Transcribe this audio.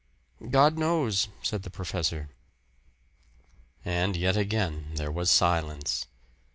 "God knows," said the professor. And yet again there was silence.